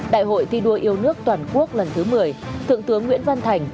đại hội thi đua yêu nước toàn quốc lần thứ một mươi thượng tướng nguyễn văn thành